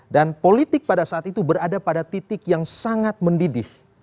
dan politik pada saat itu berada pada titik yang sangat mendidih